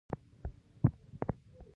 اوس به د تیلو د عایداتو یادونه وکړي.